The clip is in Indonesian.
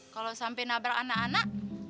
kalau sampai nabrak anak anak